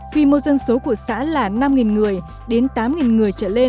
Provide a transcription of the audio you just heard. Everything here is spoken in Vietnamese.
quy mô dân số của xã là năm người đến tám người